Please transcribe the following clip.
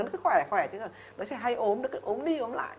nó cứ khỏe khỏe chứ đứa trẻ hay ốm nó cứ ốm đi ốm lại